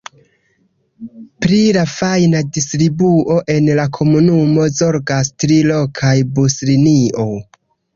Pri la fajna distribuo en la komunumo zorgas tri lokaj buslinioj.